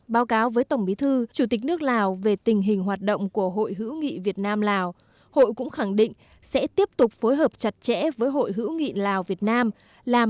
báo cáo với tổng bí thư chủ tịch nước lào về tình hình hoạt động của hội hữu nghị việt nam lào hội cũng khẳng định sẽ tiếp tục phối hợp chặt chẽ với hội hữu nghị lào việt nam